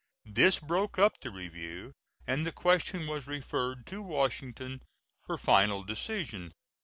This broke up the review, and the question was referred to Washington for final decision.